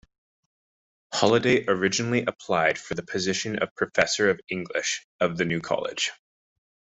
Holladay originally applied for the position of professor of English of the new college.